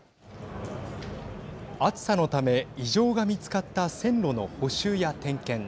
暑さのため異常が見つかった線路の補修や点検